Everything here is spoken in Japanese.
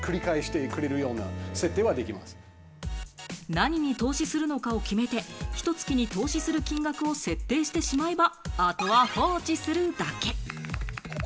何に投資するのかを決めて、ひと月に投資する金額を設定してしまえば、後は放置するだけ。